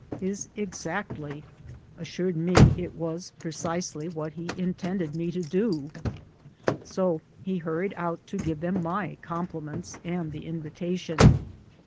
His " exactly " assured me it was precisely what he in tended me to do. So he hurried out to give them my compliments and the invitation.